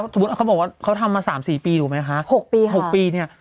สมมุติเขาบอกว่าเขาทำมา๓๔ปีดูมั้ยคะ๖ปีเนี่ย